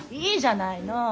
いいじゃないの。